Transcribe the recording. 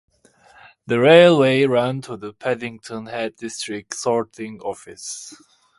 The railway ran to the Paddington Head District Sorting Office.